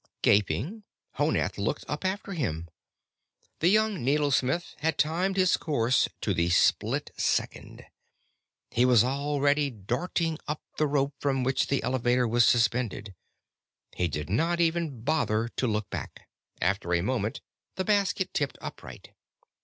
Gaping, Honath looked up after him. The young needlesmith had timed his course to the split second. He was already darting up the rope from which the Elevator was suspended. He did not even bother to look back. After a moment, the basket tipped upright.